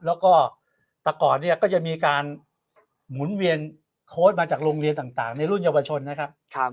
แล้วก็แต่ก่อนเนี่ยก็จะมีการหมุนเวียนโค้ดมาจากโรงเรียนต่างในรุ่นเยาวชนนะครับ